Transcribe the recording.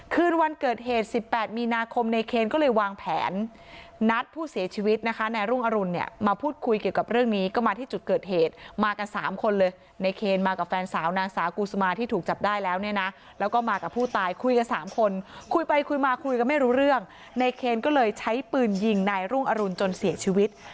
คืนวันเกิดเหตุ๑๘มีนาคมในเคนก็เลยวางแผนนัดผู้เสียชีวิตนะคะนายรุ่งอรุณเนี่ยมาพูดคุยเกี่ยวกับเรื่องนี้ก็มาที่จุดเกิดเหตุมากันสามคนเลยในเคนมากับแฟนสาวนางสาวกูสมาที่ถูกจับได้แล้วเนี่ยนะแล้วก็มากับผู้ตายคุยกันสามคนคุยไปคุยมาคุยกันไม่รู้เรื่องในเคนก็เลยใช้ปืนยิงนายรุ่งอรุณจนเสียชีวิต